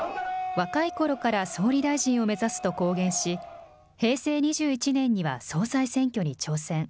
若いころから総理大臣を目指すと公言し、平成２１年には総裁選挙に挑戦。